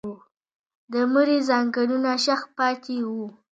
د مړي ځنګنونه شخ پاتې وو.